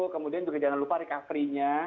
kemudian juga jangan lupa recovery nya